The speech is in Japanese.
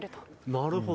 なるほど。